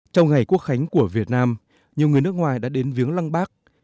trong ngày quốc khánh của việt nam nhiều người nước ngoài đã đến viếng lăng bác